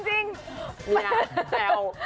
นี่นะแจ่ว